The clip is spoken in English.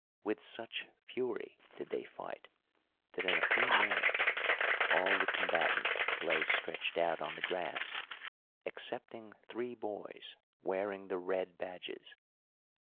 With such fury did they fight that in a few moments all the combatants lay stretched out on the grass, excepting three boys wearing the red badges.